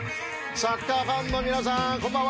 サッカーファンの皆さんこんばんは！